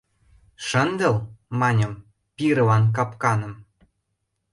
— Шындыл, маньым, пирылан капканым.